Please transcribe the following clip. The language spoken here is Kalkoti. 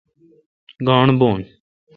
گاݨڈ بھو ۔